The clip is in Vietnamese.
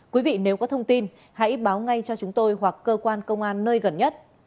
quý vị nếu có thông tin hãy báo ngay cho chúng tôi hoặc cơ quan công an nơi gần nhất